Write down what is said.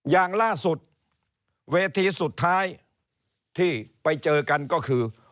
อย่างล่าสุดเวทีสุดท้ายที่ไปเจอกันก็คือ